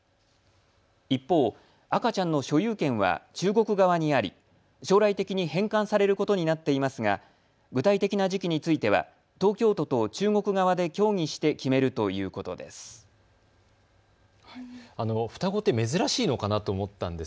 一方、赤ちゃんの所有権は中国側にあり将来的に返還されることになっていますが具体的な時期については東京都と中国側で協議して決めるということです。